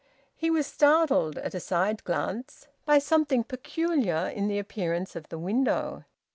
He was startled, at a side glance, by something peculiar in the appearance of the window.